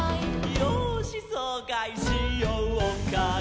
「よーしそうかいしようかい」